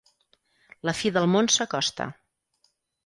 La fi del món s'acosta.